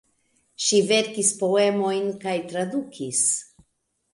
Ŝi verkis poemojn kaj tradukis.